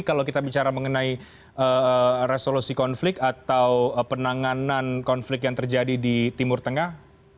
kalau kita bicara mengenai resolusi konflik atau penanganan konflik yang terjadi di timur tengah